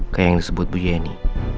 kayak yang disebut bu yeni